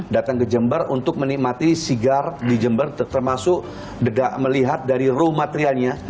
datang ke jember untuk menikmati sigar di jember termasuk melihat dari raw materialnya